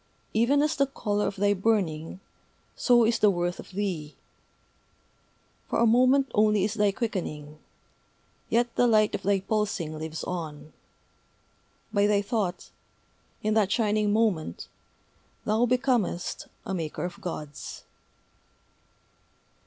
Even as the color of thy burning, so is the worth of thee. For a moment only is thy quickening; yet the light of thy pulsing lives on: by thy thought, in that shining moment, thou becomest a Maker of Gods."